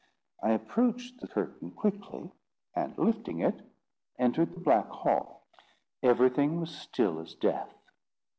I approached the curtain quickly, and, lifting it, entered the black hall. Everything was still as death.